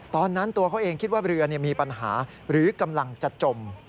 ตอนนั้นตัวเขาเองคิดว่าเรือมีปัญหาหรือกำลังจะจม